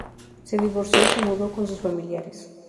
Se divorció y se mudó con sus familiares.